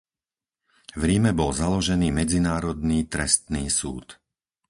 V Ríme bol založený Medzinárodný trestný súd.